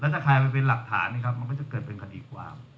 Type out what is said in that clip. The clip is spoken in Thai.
ถ้าคลายไปเป็นหลักฐานนะครับมันก็จะเกิดเป็นคดีความ